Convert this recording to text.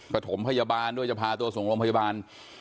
กระถมพยาบาลด้วยจะพาตัวสงมพยาบาล